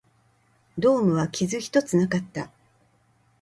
ドームは傷一つなかった